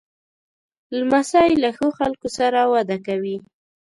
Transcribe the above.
لمسی له ښو خلکو سره وده کوي.